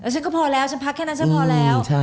ฉันก็พอแล้วฉันพักแค่นั้นฉันพอแล้ว